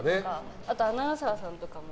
あと、アナウンサーさんとかも。